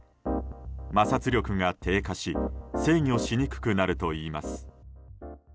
摩擦力が低下し制御しにくくなるといいます。